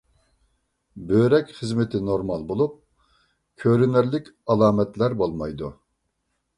بۆرەك خىزمىتى نورمال بولۇپ، كۆرۈنەرلىك ئالامەتلەر بولمايدۇ.